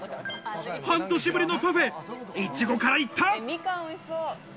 半年ぶりのパフェイチゴから行った！